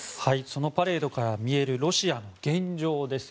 そのパレードから見えるロシアの現状です。